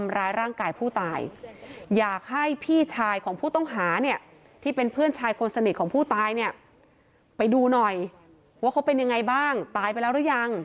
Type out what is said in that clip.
ทำร้ายร่างกายผู้ตายอยากให้พี่ชายของผู้ต้องหาเนี่ยที่เป็นเพื่อนชายคนสนิทของผู้ตายเนี่ยไปดูหน่อยว่าเขาเป็นยังไงบ้างตายไปแล้วหรือยัง